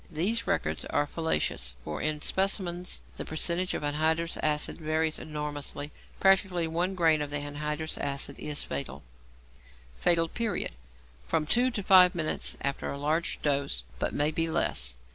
These records are fallacious, for in specimens the percentage of anhydrous acid varies enormously. Practically, 1 grain of the anhydrous acid is fatal. Fatal Period. From two to five minutes after a large dose, but may be less.